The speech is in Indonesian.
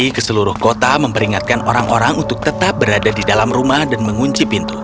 kami ke seluruh kota memperingatkan orang orang untuk tetap berada di dalam rumah dan mengunci pintu